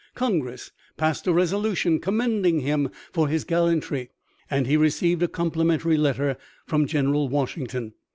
Congress passed a resolution commending him for his gallantry and he received a complimentary letter from General Washington.